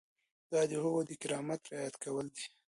دا د هغوی د کرامت رعایت کول دي.